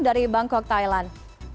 dari bangkok thailand